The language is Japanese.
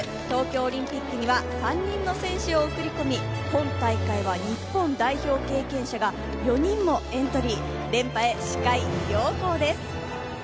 東京オリンピックには３人の選手を送り込み、今大会は日本代表経験者が４人もエントリー、連覇へ視界良好です。